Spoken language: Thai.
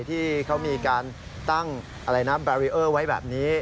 ที่เขามีการตั้งอะไรนะแบรีเออร์ไว้แบบนี้